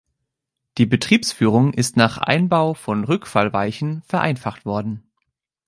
Die Betriebsführung ist nach Einbau von Rückfallweichen vereinfacht worden.